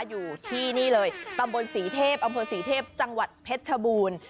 อยู่ที่นี่เลยตำบลศรีเทพอำเภอศรีเทพจังหวัดเพชรชบูรณ์